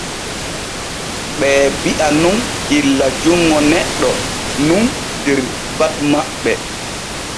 Ɓee bi’a nun illa junŋo neɗɗo nun der batu maɓɓe.